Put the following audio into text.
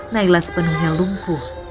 naila sepenuhnya lumpuh